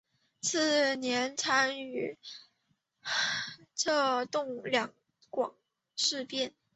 次年参与策动两广事变。